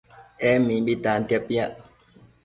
En mimbi tantia piac